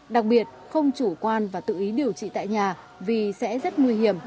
đặc biệt không chủ quan và tự ý điều trị tại nhà vì sẽ rất nguy hiểm